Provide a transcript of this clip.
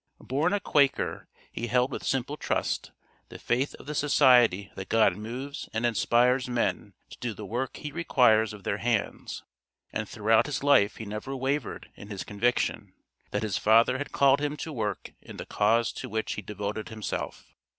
Born a Quaker, he held with simple trust, the faith of the society that God moves and inspires men to do the work he requires of their hands, and throughout his life he never wavered in his conviction, that his Father had called him to work in the cause to which he devoted himself.